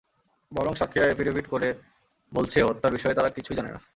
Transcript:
বরং সাক্ষীরা এফিডেভিট করে বলছে হত্যার বিষয়ে তারা কিছুই জানে না।